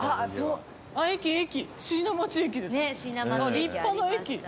立派な駅。